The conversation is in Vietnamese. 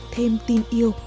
thêm tin yêu